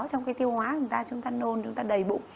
trong cái tiêu hóa chúng ta chúng ta nôn chúng ta đầy bụng